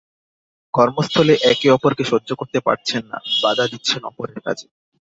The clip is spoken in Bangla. কর্মস্থলে একে অপরকে সহ্য করতে পারছেন না, বাধা দিচ্ছেন অপরের কাজে।